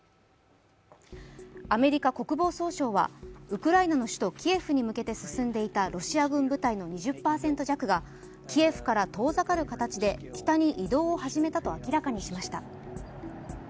アメリカ国防総省はウクライナの首都キエフに向かって進んでいたロシア軍部隊の２０％弱がキエフから遠ざかる形で北に移動を始めたと明らかにしました。